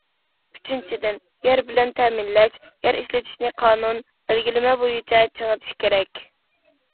ئۈچىنچىدىن، يەر بىلەن تەمىنلەش، يەر ئىشلىتىشنى قانۇن، بەلگىلىمە بويىچە چىڭىتىش كېرەك.